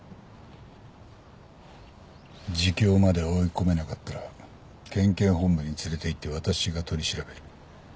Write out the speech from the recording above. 自供まで追い込めなかったら県警本部に連れていって私が取り調べる。